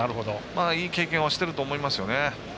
いい経験をしてると思いますね。